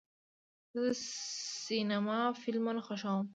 زه د سینما فلمونه خوښوم.